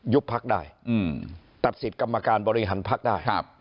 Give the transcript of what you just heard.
พักได้ตัดสิทธิ์กรรมการบริหารพักได้